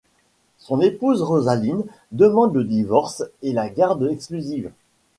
Son épouse Rosalind demande le divorce et la garde exclusive.